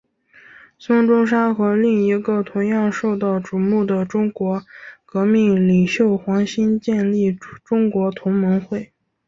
孙中山和另一个同样受到瞩目的中国革命领袖黄兴建立中国同盟会。